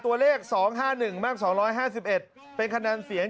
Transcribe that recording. ตัวเลข๒๕๑มาก๒๕๑เป็นคะแนนเสียง